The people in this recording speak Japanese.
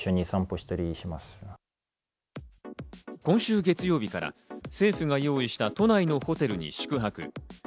今週月曜日から政府が用意した都内のホテルに宿泊。